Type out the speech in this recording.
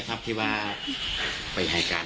ไม่รู้จริงว่าเกิดอะไรขึ้น